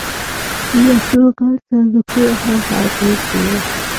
د وسلو غټ صندوقونه هم هلته ایښي وو